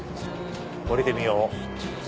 降りてみよう。